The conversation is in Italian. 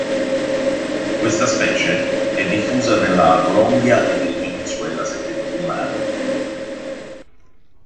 Questa specie è diffusa nella Colombia e nel Venezuela settentrionali.